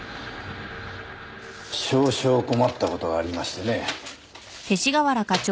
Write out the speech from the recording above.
少々困った事がありましてね。